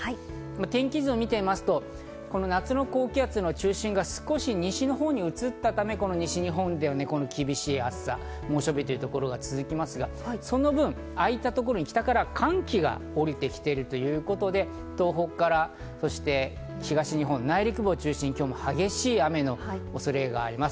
天気図を見てみますとｍ夏の高気圧の中心が少し西のほうに移ったため、西日本では厳しい暑さ、猛暑日というところが続きますが、その分空いたところに来たから寒気が降りてきているということで、東北から東日本内陸部を中心に今日も激しい雨の恐れがあります。